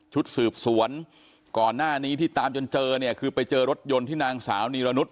ชุดสืบสวนก่อนหน้านี้ที่ตามจนเจอเนี่ยคือไปเจอรถยนต์ที่นางสาวนีรณุษ